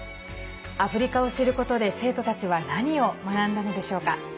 アフリカを知ることで生徒たちは何を学んだのでしょうか。